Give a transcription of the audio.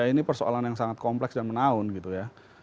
ini persoalan yang sangat kompleks dan menaun gitu ya